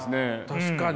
確かに。